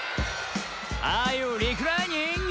「アーユーリクライニング？」